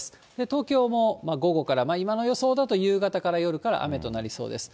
東京も午後から、今の予想だと、夕方から夜から雨となりそうです。